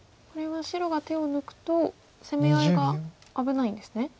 これは白が手を抜くと攻め合いが危ないんですね。